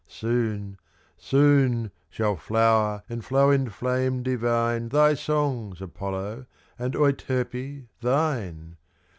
Soon, soon, shall flower and flow in flame divine Thy songs, Apollo, and Euterpe, thine!